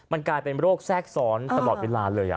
มันกลายเป็นโรคแทรกซ้อนตลอดเวลาเลย